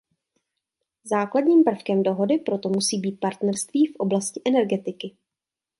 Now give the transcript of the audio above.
Základním prvkem dohody proto musí být partnerství v oblasti energetiky.